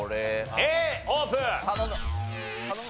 Ａオープン！